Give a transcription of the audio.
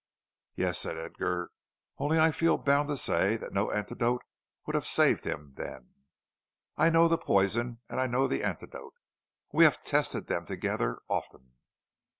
"Yes," said Edgar, "only I feel bound to say that no antidote would have saved him then. I know the poison and I know the antidote; we have tested them together often."